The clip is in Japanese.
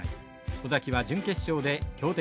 尾崎は準決勝で強敵